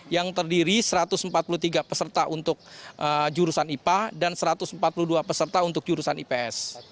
yang terdiri satu ratus empat puluh tiga peserta untuk jurusan ipa dan satu ratus empat puluh dua peserta untuk jurusan ips